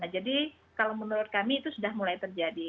jadi kalau menurut kami itu sudah mulai terjadi